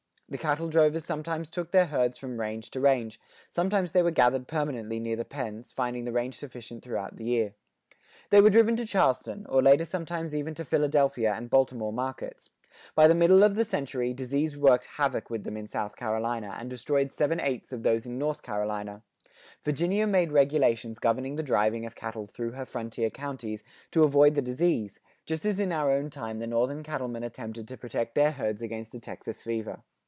The cattle drovers sometimes took their herds from range to range; sometimes they were gathered permanently near the pens, finding the range sufficient throughout the year. They were driven to Charleston, or later sometimes even to Philadelphia and Baltimore markets. By the middle of the century, disease worked havoc with them in South Carolina[89:1] and destroyed seven eighths of those in North Carolina; Virginia made regulations governing the driving of cattle through her frontier counties to avoid the disease, just as in our own time the northern cattlemen attempted to protect their herds against the Texas fever.